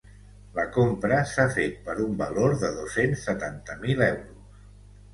La compra s’ha fet per un valor de dos-cents setanta mil euros.